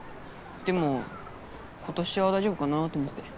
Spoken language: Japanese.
でも今年は大丈夫かなぁと思って。